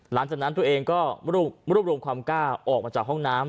หลังจากนั้นตัวเองก็รวบรวมความกล้าออกมาจากห้องน้ำ